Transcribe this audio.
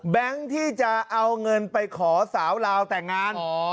ที่จะเอาเงินไปขอสาวลาวแต่งงาน